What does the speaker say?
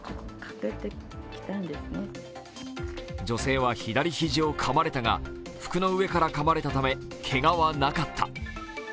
女性は左肘をかまれたが服の上からかまれたためけがはなかった。